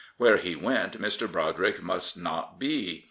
Where he went Mr. Brodrick must not be.